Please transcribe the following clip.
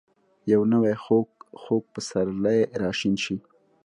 یو نوی ،خوږ. خوږ پسرلی راشین شي